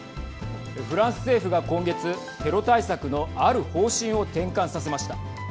フランス政府が今月テロ対策のある方針を転換させました。